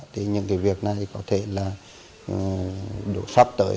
thì những cái việc này có thể là đủ sắp tới